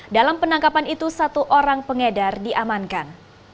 dalam penangkapan itu satu orang pengedar diamankan